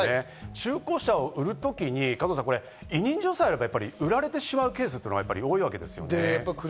中古車を売る時に委任状さえあれば売られてしまうケースというのは多いわけですね。